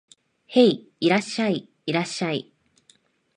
へい、いらっしゃい、いらっしゃい